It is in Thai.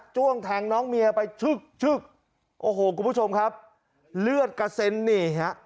้วงแทงน้องเมียไปชึกชึกโอ้โหคุณผู้ชมครับเลือดกระเซ็นนี่ฮะ